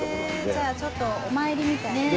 じゃあちょっとお参りみたいな事ですね。